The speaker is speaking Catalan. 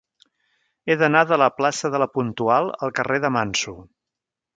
He d'anar de la plaça de La Puntual al carrer de Manso.